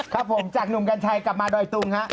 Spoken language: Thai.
ครับผมจากหนุ่มกัญชัยกลับมาดอยตุงฮะ